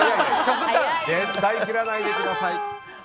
絶対に切らないでください。